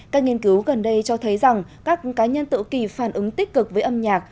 các nghiên cứu gần đây cho thấy rằng các cá nhân tự kỳ phản ứng tích cực với âm nhạc